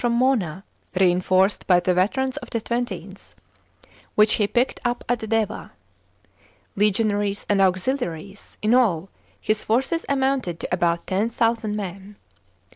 from Mona, reinforced by the veterans of the XXth, which he picked up at Deva. Legionaries and auxiliaries, in all, his forces amounted to about 10,000 men.